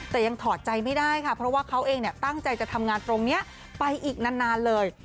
แต่ยังถอดใจไม่ได้ค่ะเพราะว่าเขาเองตั้งใจจะทำงานตรงนี้ไปอีกนานเลย